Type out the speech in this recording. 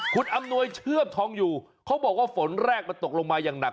คุณอำนวยเชื่อมทองอยู่เขาบอกว่าฝนแรกมันตกลงมาอย่างหนัก